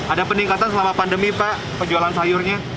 ada peningkatan selama pandemi pak penjualan sayurnya